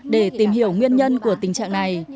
để tìm hiểu nguyên nhân của tình trạng này